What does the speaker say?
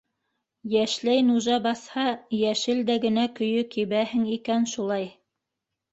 Йәшләй нужа баҫһа, йәшел дә генә көйө кибәһең икән шулай.